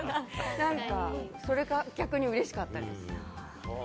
それが逆にうれしかったです。